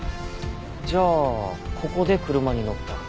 じゃあここで車に乗った。